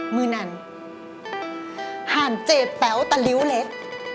มือนั้นห่านเจดแป๋วตะลิ้วเล็ก